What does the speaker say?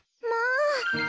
まあ。